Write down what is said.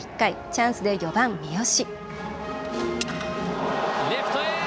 チャンスで４番・三好。